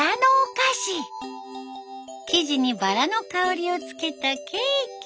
生地にバラの香りをつけたケーキ。